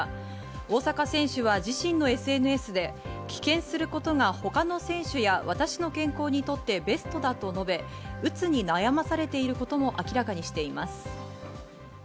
大坂選手は自身のＳＮＳで棄権することが他の選手や私の健康にとってベストだと述べ、うつに悩まされていることも明らかにしています。